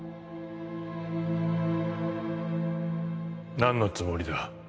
何のつもりだ？